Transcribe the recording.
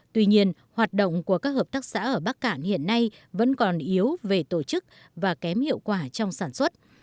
tuy nhiên hoạt động của các hợp tác xã ở bắc cạn hiện nay vẫn còn yếu về tổ chức và kém hiệu quả trong sản xuất